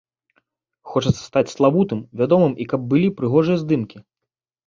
Хочацца стаць славутым, вядомым і каб былі прыгожыя здымкі.